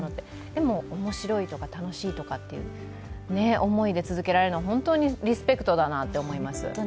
でも、面白いとか楽しいとかって思いで続けられるのは本当にリスペクトだなと思います。